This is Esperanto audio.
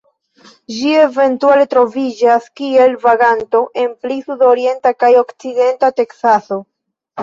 Ĝi eventuale troviĝas kiel vaganto en pli sudorienta kaj okcidenta Teksaso.